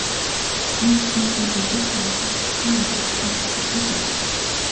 Энэ бүхнийг би хэнтэй ч хуваалцаж, сэтгэлээ онгойлгохыг хүсдэггүй байж.